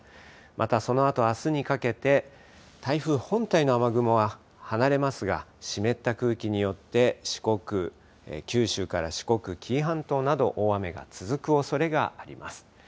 また、そのあと、あすにかけて、台風本体の雨雲は離れますが、湿った空気によって、四国、九州から四国、紀伊半島など、大雨が続くおそれがあります。